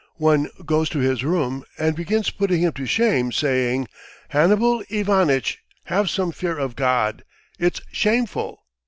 One goes to his room and begins putting him to shame, saying: 'Hannibal Ivanitch, have some fear of God! It's shameful!